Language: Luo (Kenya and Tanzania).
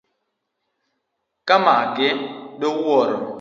Kamake do wuoro.